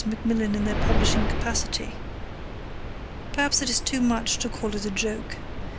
Macmillan in their publishing capacity. Perhaps it is too much to call it a joke.